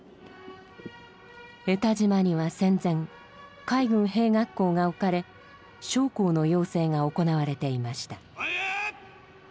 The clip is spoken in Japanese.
江田島には戦前海軍兵学校が置かれ将校の養成が行われていました。